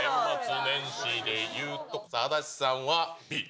年末年始で言うと、足立さんはＢ。